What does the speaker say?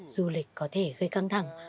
du lịch có thể gây căng thẳng